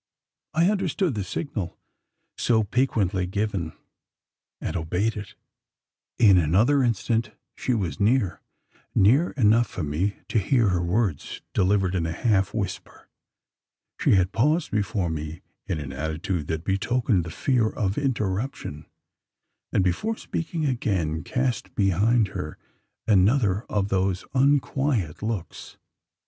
I understood the signal, so piquantly given; and obeyed it. In another instant she was near near enough for me to hear her words delivered in a half whisper. She had paused before me in an attitude that betokened the fear of interruption; and, before speaking, again cast behind her another of those unquiet looks.